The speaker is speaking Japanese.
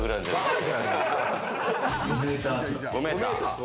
５ｍ。